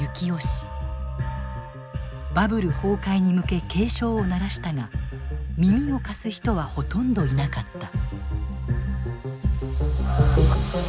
バブル崩壊に向け警鐘を鳴らしたが耳を貸す人はほとんどいなかった。